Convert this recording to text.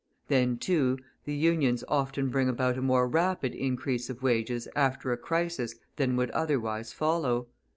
Then, too, the Unions often bring about a more rapid increase of wages after a crisis than would otherwise follow.